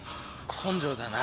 根性だな。